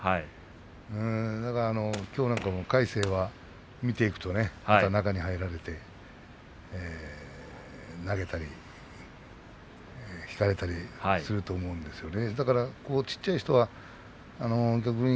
きょうなんかも魁聖は見ていくと中に入られて投げたり引かれたりすると思うんですよね。